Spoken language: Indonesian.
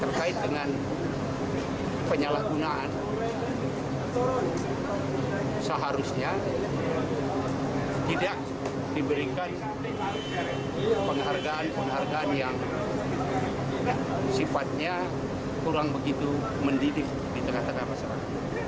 terkait dengan penyalahgunaan seharusnya tidak diberikan penghargaan penghargaan yang sifatnya kurang begitu mendidik di tengah tengah masyarakat